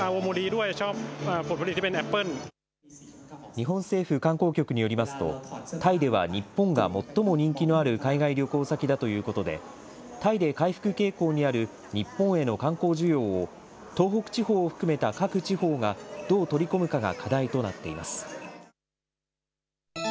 日本政府観光局によりますと、タイでは日本が最も人気のある海外旅行先だということで、タイで回復傾向にある日本への観光需要を、東北地方を含めた各地方がどう取り込むかが課題となっています。